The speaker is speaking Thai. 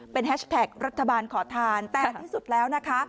เป็นแฮชแท็กรัฐบาลขอทานแต่ที่สุดแล้วนะคะ